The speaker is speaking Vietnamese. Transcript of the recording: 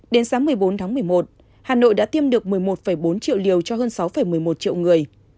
đến sáng một mươi bốn tháng một mươi một hà nội đã tiêm được một mươi một bốn triệu liều cho hơn sáu một mươi một triệu người